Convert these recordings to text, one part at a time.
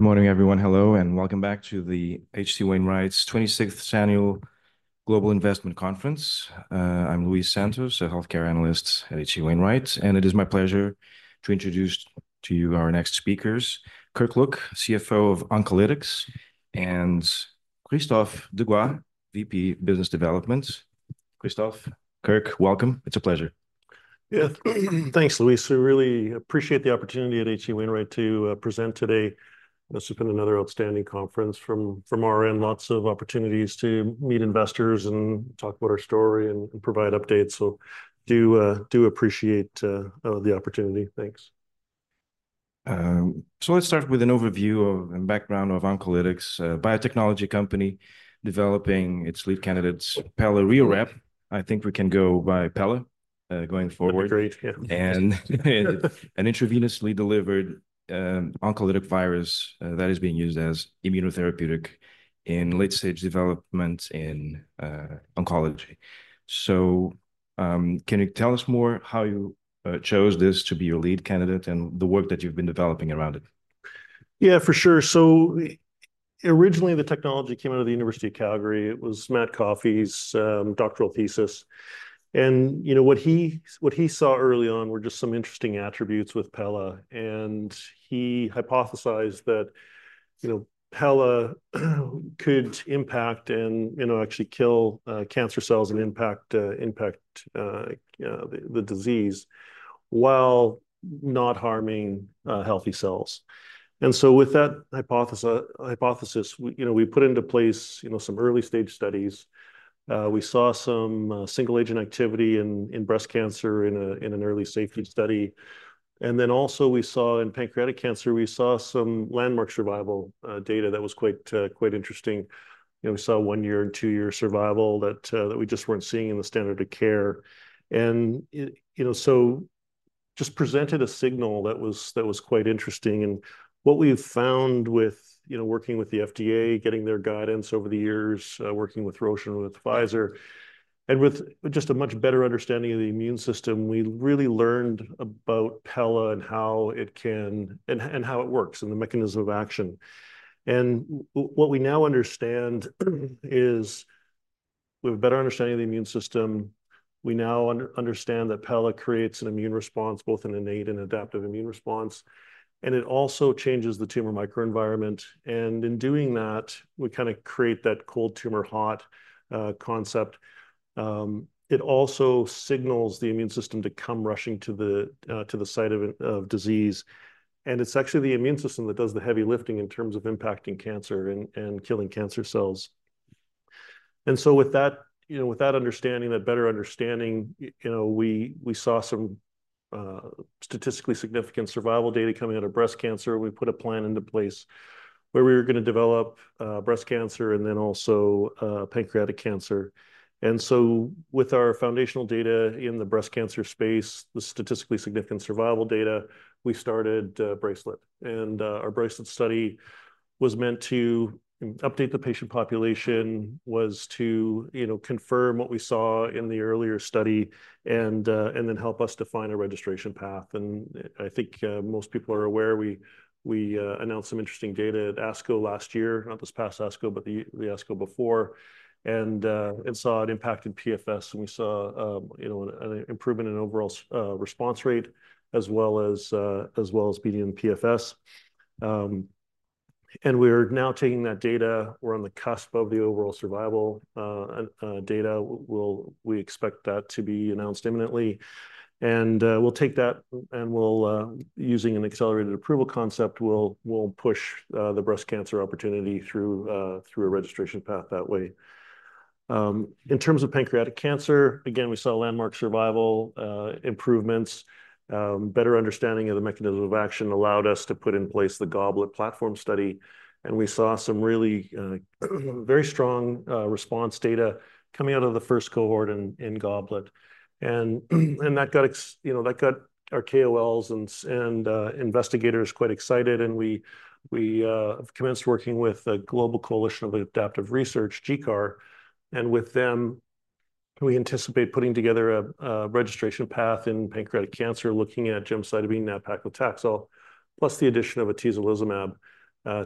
Good morning, everyone. Hello, and welcome back to the H.C. Wainwright's twenty-sixth Annual Global Investment Conference. I'm Luis Santos, a healthcare analyst at H.C. Wainwright, and it is my pleasure to introduce to you our next speakers, Kirk Look, CFO of Oncolytics, and Christophe Degois, VP, Business Development. Christophe, Kirk, welcome. It's a pleasure. Yeah. Thanks, Luis. We really appreciate the opportunity at H.C. Wainwright to present today. This has been another outstanding conference from our end. Lots of opportunities to meet investors and talk about our story and provide updates. So do appreciate the opportunity. Thanks. So let's start with an overview of and background of Oncolytics, a biotechnology company developing its lead candidate, Pelareorep. I think we can go by pela, going forward. That'd be great. Yeah. An Intravenously delivered oncolytic virus that is being used as immunotherapeutic in late-stage development in Oncology. Can you tell us more how you chose this to be your lead candidate and the work that you've been developing around it? Yeah, for sure. So originally, the technology came out of the University of Calgary. It was Matt Coffey's doctoral thesis, and, you know, what he saw early on were just some interesting attributes with pela, and he hypothesized that, you know, pela could impact and, you know, actually kill cancer cells and impact the disease, while not harming healthy cells. And so with that hypothesis, we, you know, we put into place, you know, some early-stage studies. We saw some single-agent activity in breast cancer in an early safety study. And then also we saw, in pancreatic cancer, we saw some landmark survival data that was quite interesting. You know, we saw one-year and two-year survival that we just weren't seeing in the standard of care. And you know so just presented a signal that was quite interesting. And what we've found with you know working with the FDA getting their guidance over the years working with Roche and with Pfizer and with just a much better understanding of the immune system we really learned about pela and how it can... and how it works and the mechanism of action. And what we now understand is we have a better understanding of the immune system. We now understand that pela creates an immune response both an innate and adaptive immune response and it also changes the tumor microenvironment. And in doing that we kind of create that cold tumor hot concept. It also signals the immune system to come rushing to the site of disease, and it's actually the immune system that does the heavy lifting in terms of impacting cancer and killing cancer cells. And so with that, you know, with that understanding, that better understanding, you know, we saw some statistically significant survival data coming out of breast cancer. We put a plan into place where we were gonna develop breast cancer and then also pancreatic cancer. And so with our foundational data in the breast cancer space, the statistically significant survival data, we started BRACELET-1. And our BRACELET-1 study was meant to update the patient population, was to, you know, confirm what we saw in the earlier study, and then help us define a registration path. And I think most people are aware, we announced some interesting data at ASCO last year, not this past ASCO, but the ASCO before. And we saw it impacted PFS, and we saw you know an improvement in overall response rate, as well as median PFS. And we're now taking that data. We're on the cusp of the overall survival data. We expect that to be announced imminently, and we'll take that, and we'll using an accelerated approval concept, we'll push the breast cancer opportunity through a registration path that way. In terms of pancreatic cancer, again, we saw landmark survival improvements. Better understanding of the mechanism of action allowed us to put in place the GOBLET platform study, and we saw some really very strong response data coming out of the first cohort in GOBLET. That got, you know, our KOLs and investigators quite excited, and we have commenced working with the Global Coalition for Adaptive Research, GCAR, and with them, we anticipate putting together a registration path in pancreatic cancer, looking at gemcitabine nab-paclitaxel, plus the addition of atezolizumab,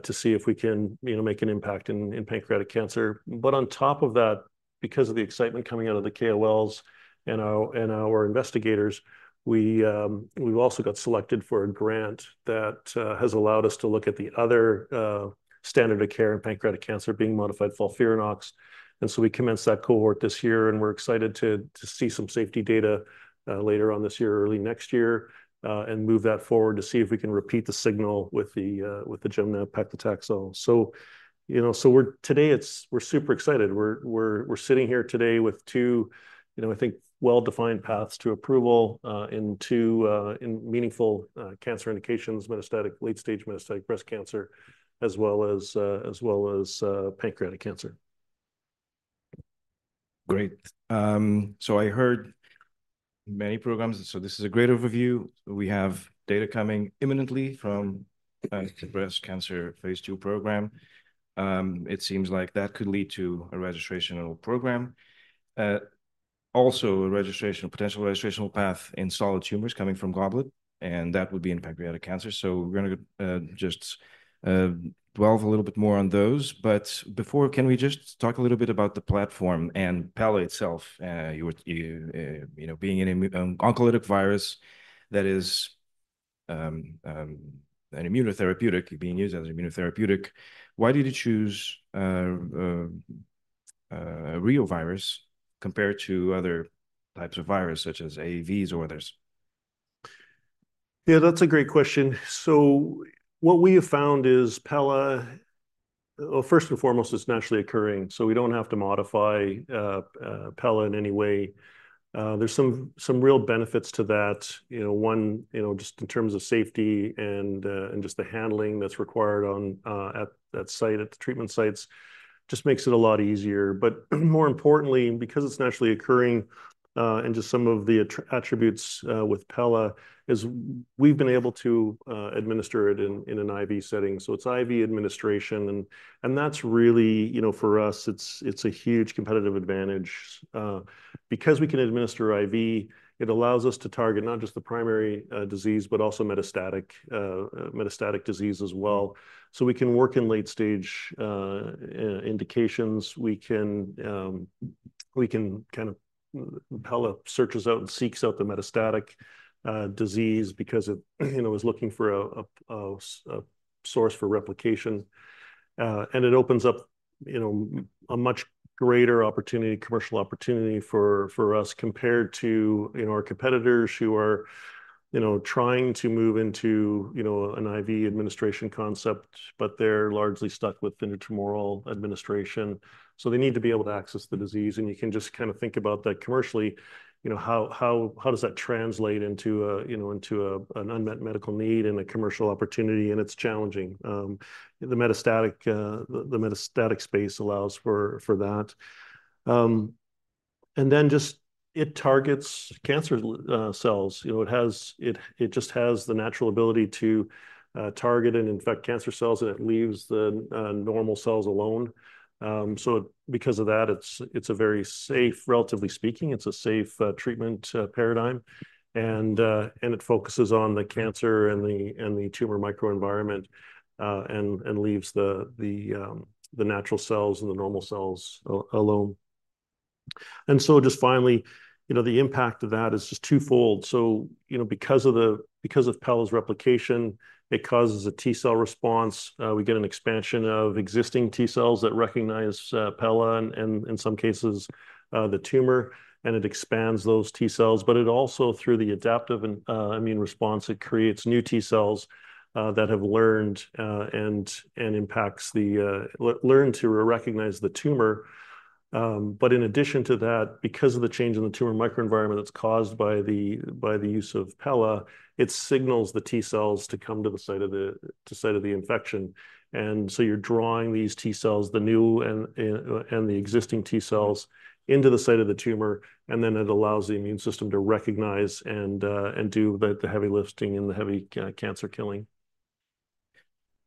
to see if we can, you know, make an impact in pancreatic cancer. But on top of that, because of the excitement coming out of the KOLs and our investigators, we've also got selected for a grant that has allowed us to look at the other standard of care in pancreatic cancer, being modified FOLFIRINOX. And so we commenced that cohort this year, and we're excited to see some safety data later on this year or early next year, and move that forward to see if we can repeat the signal with the gemcitabine nab-paclitaxel. So, you know, we're super excited. We're sitting here today with two, you know, I think, well-defined paths to approval in two meaningful cancer indications: metastatic, late-stage metastatic breast cancer, as well as pancreatic cancer. Great. So I heard many programs, so this is a great overview. We have data coming imminently from breast cancer phase II program. It seems like that could lead to a registrational program. Also a registration, potential registrational path in solid tumors coming from GOBLET, and that would be in pancreatic cancer. So we're gonna just dwell a little bit more on those. But before, can we just talk a little bit about the platform and pela itself? You would you know, being an oncolytic virus, that is an immunotherapeutic, being used as an immunotherapeutic, why did you choose reovirus compared to other types of virus, such as AAVs or others? Yeah, that's a great question. So what we have found is pela. Well, first and foremost, it's naturally occurring, so we don't have to modify pela in any way. There's some real benefits to that. You know, one, you know, just in terms of safety and just the handling that's required at the site, at the treatment sites, just makes it a lot easier. But more importantly, because it's naturally occurring and just some of the attributes with pela, we've been able to administer it in an IV setting. So it's IV administration, and that's really, you know, for us, it's a huge competitive advantage. Because we can administer IV, it allows us to target not just the primary disease, but also metastatic disease as well. So we can work in late-stage indications. We can kind of pela searches out and seeks out the metastatic disease because it, you know, is looking for a source for replication. And it opens up, you know, a much greater opportunity, commercial opportunity for us compared to, you know, our competitors who are, you know, trying to move into, you know, an IV administration concept, but they're largely stuck with intratumoral administration. So they need to be able to access the disease, and you can just kind of think about that commercially. You know, how does that translate into an unmet medical need and a commercial opportunity? And it's challenging. The metastatic space allows for that. And then just it targets cancer cells. You know, it just has the natural ability to target and infect cancer cells, and it leaves the normal cells alone. So because of that, it's a very safe, relatively speaking, it's a safe treatment paradigm. And it focuses on the cancer and the tumor microenvironment, and leaves the natural cells and the normal cells alone. And so just finally, you know, the impact of that is just twofold. So, you know, because of pela's replication, it causes a T-cell response. We get an expansion of existing T-cells that recognize pela and, in some cases, the tumor, and it expands those T-cells. But it also, through the adaptive immune response, it creates new T-cells that have learned to recognize the tumor. But in addition to that, because of the change in the tumor microenvironment that's caused by the use of pela, it signals the T-cells to come to the site of the infection. And so you're drawing these T-cells, the new and the existing T-cells, into the site of the tumor, and then it allows the immune system to recognize and do the heavy lifting and the heavy cancer killing.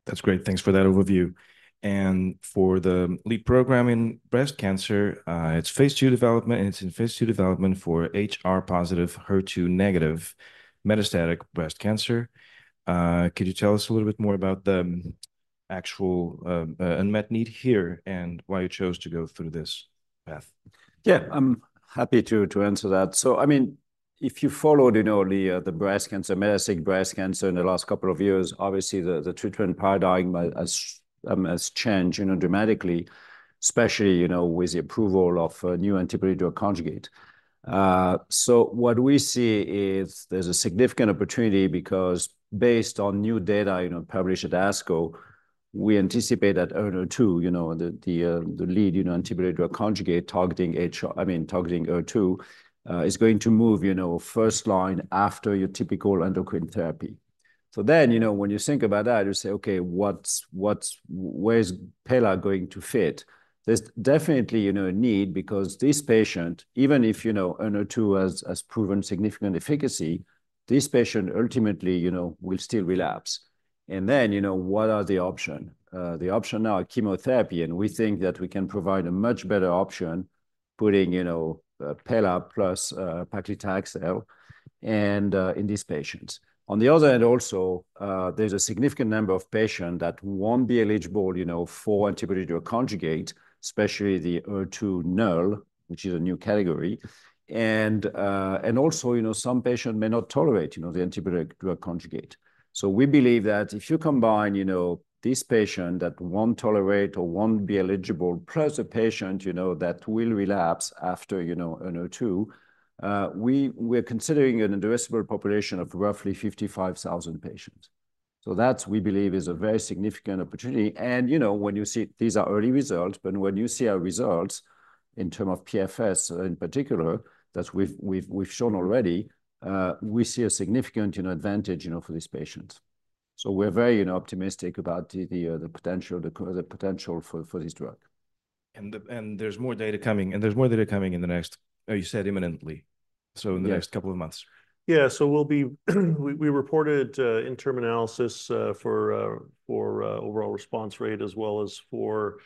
That's great. Thanks for that overview. And for the lead program in breast cancer, it's phase II development, and it's in phase II development for HR-positive, HER2-negative metastatic breast cancer. Could you tell us a little bit more about the actual unmet need here and why you chose to go through this path? Yeah, I'm happy to answer that. So I mean, if you followed, you know, the breast cancer, metastatic breast cancer in the last couple of years, obviously, the treatment paradigm has changed, you know, dramatically, especially, you know, with the approval of a new antibody-drug conjugate. So what we see is there's a significant opportunity because based on new data, you know, published at ASCO, we anticipate that ER/HER2, you know, the lead antibody-drug conjugate, targeting HR-- I mean, targeting HER2, is going to move, you know, first line after your typical endocrine therapy. So then, you know, when you think about that, you say, "Okay, what's where is pela going to fit?" There's definitely, you know, a need because this patient, even if, you know, ER/HER2 has proven significant efficacy, this patient ultimately, you know, will still relapse. And then, you know, what are the option? The option now are chemotherapy, and we think that we can provide a much better option, putting, you know, pela plus, paclitaxel, and in these patients. On the other hand, also, there's a significant number of patient that won't be eligible, you know, for antibody-drug conjugate, especially the ER/HER2-null, which is a new category. And, and also, you know, some patient may not tolerate, you know, the antibody-drug conjugate. So we believe that if you combine, you know, this patient that won't tolerate or won't be eligible, plus a patient, you know, that will relapse after, you know, ER/HER2, we're considering an addressable population of roughly 55,000 patients. So that, we believe, is a very significant opportunity. And, you know, when you see, these are early results, but when you see our results in terms of PFS, in particular, that we've shown already, we see a significant, you know, advantage, you know, for these patients. So we're very, you know, optimistic about the potential for this drug. There's more data coming in the next, Oh, you said imminently? So in the next couple of months? Yeah, so we reported interim analysis for overall response rate as well as for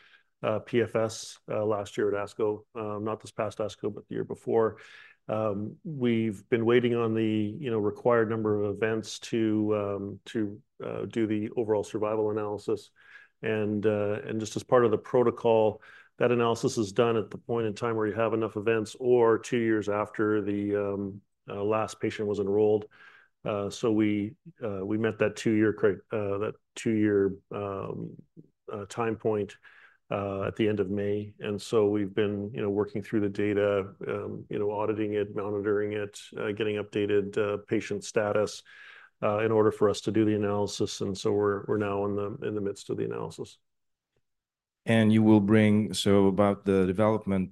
PFS last year at ASCO. Not this past ASCO, but the year before. We've been waiting on the, you know, required number of events to do the overall survival analysis. And just as part of the protocol, that analysis is done at the point in time where you have enough events or two years after the last patient was enrolled. So we met that two-year time point at the end of May. And so we've been, you know, working through the data, you know, auditing it, monitoring it, getting updated patient status in order for us to do the analysis. We're now in the midst of the analysis. About the development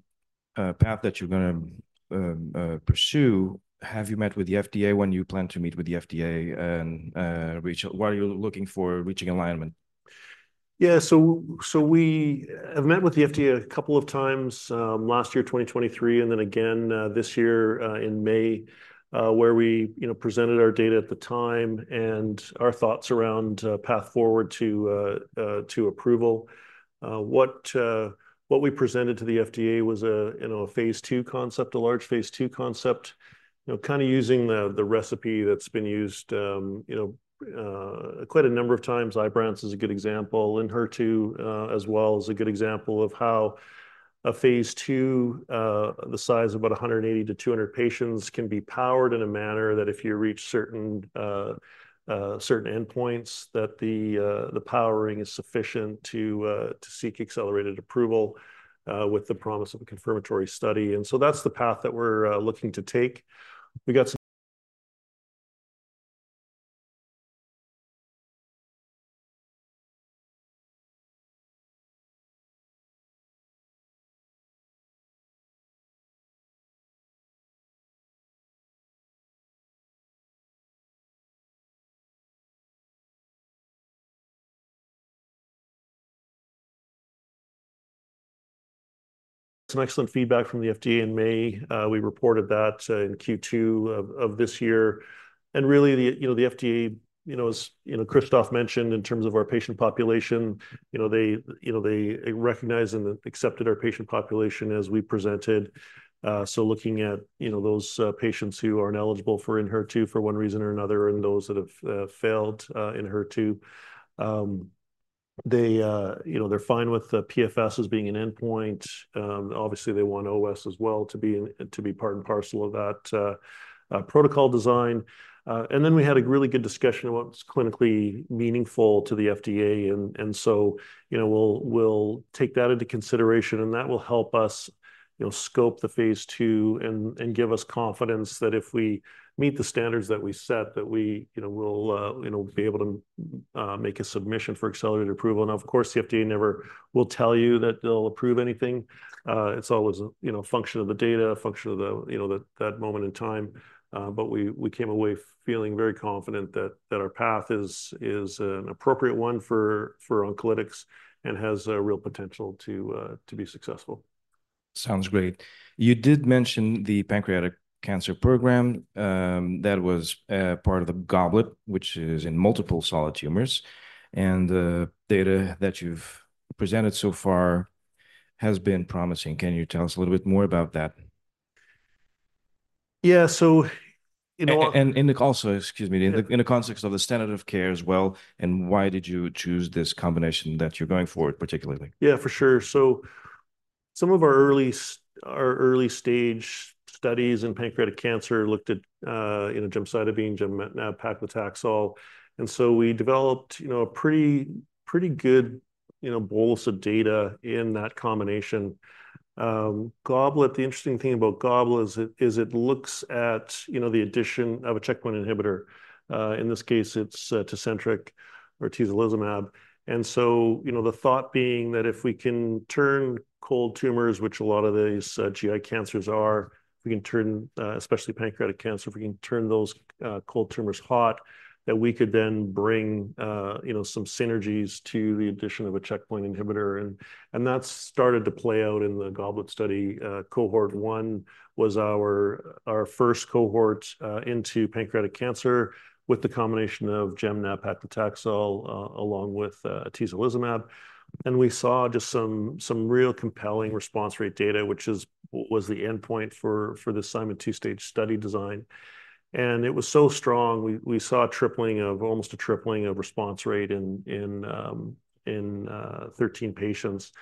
path that you're gonna pursue, have you met with the FDA? When do you plan to meet with the FDA, and what are you looking for reaching alignment? Yeah. So we have met with the FDA a couple of times, last year, 2023, and then again, this year, in May, where we, you know, presented our data at the time and our thoughts around, path forward to approval. What we presented to the FDA was a, you know, a phase II concept, a large phase II concept, you know, kind of using the recipe that's been used, you know, quite a number of times. Ibrance is a good example. Enhertu, as well, is a good example of how a phase II, the size of about one hundred and eighty to two hundred patients, can be powered in a manner that if you reach certain endpoints, that the powering is sufficient to seek accelerated approval, with the promise of a confirmatory study. And so that's the path that we're looking to take. We got some feedback from the FDA in May. We reported that in Q2 of this year. And really, the you know the FDA, you know, as you know, Christophe mentioned in terms of our patient population, you know, they you know they recognized and accepted our patient population as we presented. So looking at, you know, those patients who are ineligible for Enhertu for one reason or another, and those that have failed Enhertu, they, you know, they're fine with the PFS as being an endpoint. Obviously, they want OS as well to be in, to be part and parcel of that protocol design. Then we had a really good discussion on what's clinically meaningful to the FDA. And so, you know, we'll take that into consideration, and that will help us, you know, scope the phase II and give us confidence that if we meet the standards that we set, that we, you know, we'll, you know, be able to make a submission for accelerated approval. Now, of course, the FDA never will tell you that they'll approve anything. It's always, you know, a function of the data, a function of the, you know, that moment in time. But we came away feeling very confident that our path is an appropriate one for Oncolytics and has a real potential to be successful. Sounds great. You did mention the pancreatic cancer program, that was part of the GOBLET, which is in multiple solid tumors, and the data that you've presented so far has been promising. Can you tell us a little bit more about that? Yeah. So, you know- Also, excuse me, in the- Yeah... in the context of the standard of care as well, and why did you choose this combination that you're going forward, particularly? Yeah, for sure. So some of our early-stage studies in pancreatic cancer looked at, you know, gemcitabine, nab-paclitaxel. And so we developed, you know, a pretty, pretty good, you know, bolus of data in that combination. GOBLET, the interesting thing about GOBLET is it looks at, you know, the addition of a checkpoint inhibitor. In this case, it's Tecentriq or atezolizumab. And so, you know, the thought being that if we can turn cold tumors, which a lot of these GI cancers are, we can turn, especially pancreatic cancer, if we can turn those cold tumors hot, that we could then bring, you know, some synergies to the addition of a checkpoint inhibitor. And that's started to play out in the GOBLET study. Cohort 1 was our first cohort into pancreatic cancer with the combination of gem/nab-paclitaxel along with atezolizumab. And we saw just some real compelling response rate data, which was the endpoint for this Simon two-stage study design. And it was so strong, we saw a tripling of almost a tripling of response rate in 13 patients.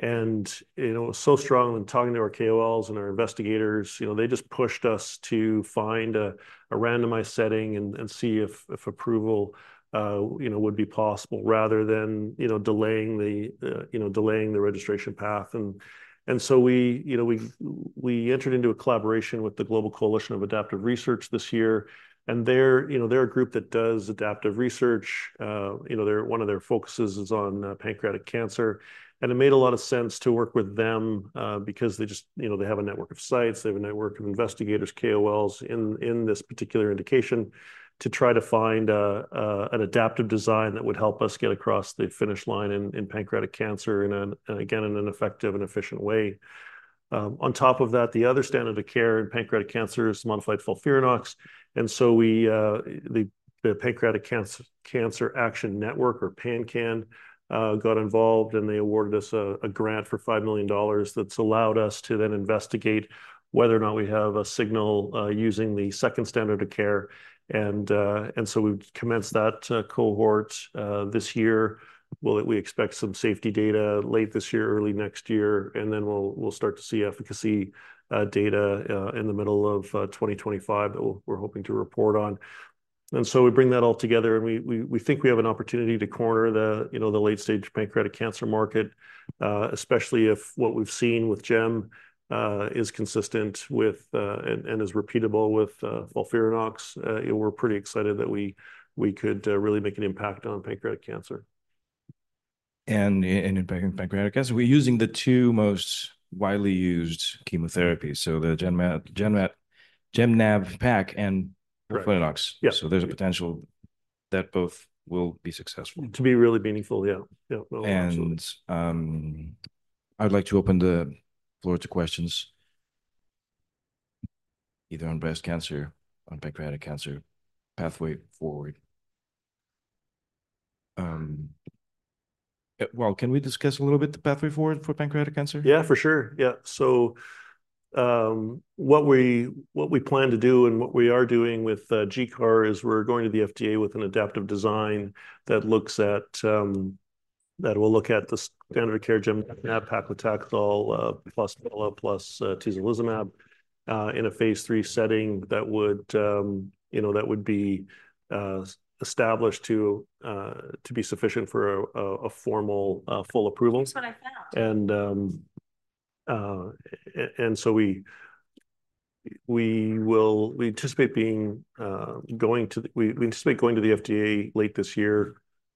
And, you know, it was so strong when talking to our KOLs and our investigators, you know, they just pushed us to find a randomized setting and see if approval, you know, would be possible, rather than, you know, delaying the registration path. We, you know, entered into a collaboration with the Global Coalition for Adaptive Research this year, and they're, you know, a group that does adaptive research. One of their focuses is on pancreatic cancer, and it made a lot of sense to work with them because they just, you know, have a network of sites, they have a network of investigators, KOLs, in this particular indication to try to find an adaptive design that would help us get across the finish line in pancreatic cancer again in an effective and efficient way. On top of that, the other standard of care in pancreatic cancer is modified FOLFIRINOX. The Pancreatic Cancer Action Network, or PanCAN, got involved, and they awarded us a grant for $5 million that's allowed us to then investigate whether or not we have a signal using the second standard of care. We've commenced that cohort this year. We expect some safety data late this year, early next year, and then we'll start to see efficacy data in the middle of 2025 that we're hoping to report on. We bring that all together, and we think we have an opportunity to corner the late-stage pancreatic cancer market, you know, especially if what we've seen with GEM is consistent with and is repeatable with FOLFIRINOX. And we're pretty excited that we could really make an impact on pancreatic cancer. In pancreatic cancer, we're using the two most widely used chemotherapy, so the gem nab-pac and FOLFIRINOX. Yes. There's a potential that both will be successful. To be really meaningful, yeah. Yeah, well, absolutely. And, I'd like to open the floor to questions, either on breast cancer, on pancreatic cancer, pathway forward. Well, can we discuss a little bit the pathway forward for pancreatic cancer? Yeah, for sure. Yeah. So, what we plan to do and what we are doing with GCAR is we're going to the FDA with an adaptive design that will look at the standard of care gemcitabine nab-paclitaxel plus pela plus tislelizumab in a phase III setting that would, you know, be established to be sufficient for a formal full approval. That's what I found. We anticipate going to the FDA late this year,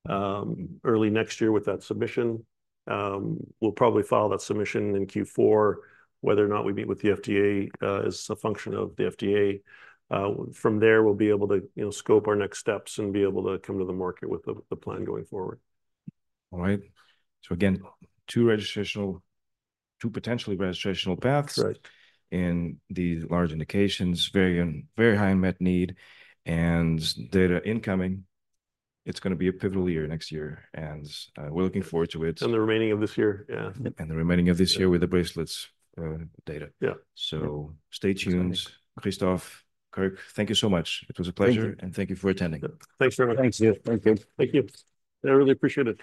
early next year with that submission. We'll probably file that submission in Q4. Whether or not we meet with the FDA is a function of the FDA. From there, we'll be able to, you know, scope our next steps and be able to come to the market with the plan going forward. All right. So again, two registrational- two potentially registrational paths- That's right... in these large indications, very, very high unmet need and data incoming. It's gonna be a pivotal year next year, and, we're looking forward to it. The remaining of this year. Yeah. The remaining of this year with the BRACELET-1 data. Yeah. So stay tuned. Christophe, Kirk, thank you so much. Thank you. It was a pleasure, and thank you for attending. Thanks very much. Thank you. Thank you. Thank you. I really appreciate it.